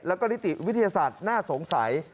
แล้วก็นิติวิทยาศาสตร์น่าสงสัย